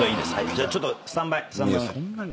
じゃあちょっとスタンバイ。